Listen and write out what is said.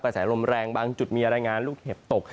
แสลมแรงบางจุดมีรายงานลูกเห็บตก